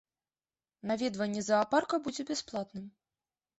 Наведванне заапарка будзе бясплатным.